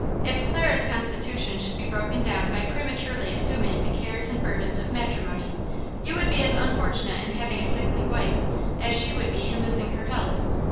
If Clara's constitution should be broken down by prematurely assuming the cares and burdens of matrimony, you would be as unfortunate in having a sickly wife as she would be in losing her health."